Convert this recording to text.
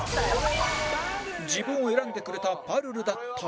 自分を選んでくれたぱるるだったが